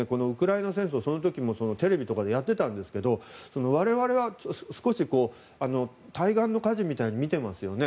台湾でウクライナ戦争、その時もテレビとかでやっていましたが我々は、少し対岸の火事みたいに見ていますよね。